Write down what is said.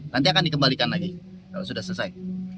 nanti akan dikembalikan lagi kalau sudah selesai